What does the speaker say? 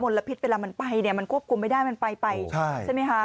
ลพิษเวลามันไปเนี่ยมันควบคุมไม่ได้มันไปไปใช่ไหมคะ